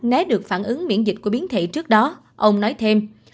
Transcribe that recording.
né được phản ứng miễn dịch của biến thể trước đó ông nói thêm